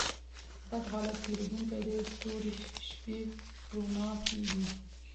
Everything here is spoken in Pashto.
بد حالت تېرېدونکى دئ؛ توري شپې رؤڼا کېږي.